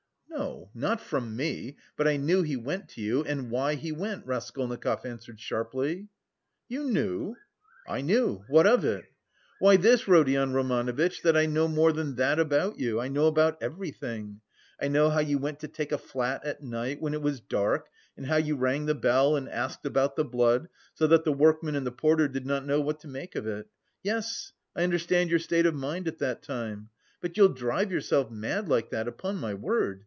"No, not from me, but I knew he went to you and why he went," Raskolnikov answered sharply. "You knew?" "I knew. What of it?" "Why this, Rodion Romanovitch, that I know more than that about you; I know about everything. I know how you went to take a flat at night when it was dark and how you rang the bell and asked about the blood, so that the workmen and the porter did not know what to make of it. Yes, I understand your state of mind at that time... but you'll drive yourself mad like that, upon my word!